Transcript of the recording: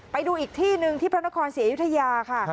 ไปดูอีกที่หนึ่งที่พระนครศรีอยุธยาค่ะ